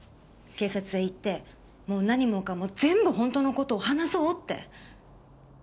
警察へ行ってもう何もかも全部ほんとの事を話そうって。